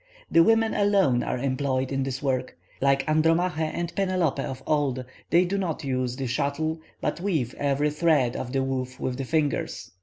The women alone are employed in this work; like Andromache and Penelope of old, they do not use the shuttle, but weave every thread of the woof with their fingers.